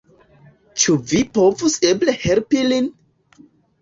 Ĉu vi povus eble helpi lin?